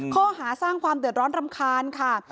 ข้อหาสร้างความเดือดร้อนรำคาญค่ะ